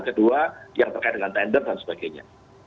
kedua yang terkait dengan tender dan sebagainya